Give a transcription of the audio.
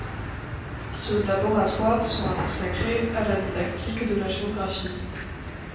Ce laboratoire sera consacré à la didactique de la géographie.